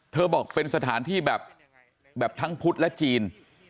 บอกเป็นสถานที่แบบทั้งพุทธและจีน